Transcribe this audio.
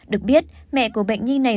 được biết mẹ của bệnh nhi này